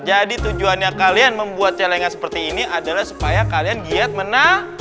jadi tujuannya kalian membuat celengan seperti ini adalah supaya kalian giat mena